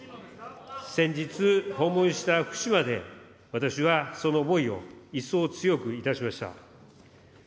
先日、訪問した福島で、私はその思いを一層強くいたしました。